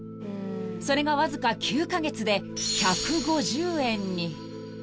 ［それがわずか９カ月で１５０円に］